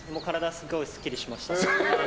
すっごいすっきりしました。